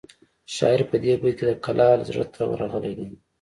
شاعر په دې بیت کې د کلال زړه ته ورغلی دی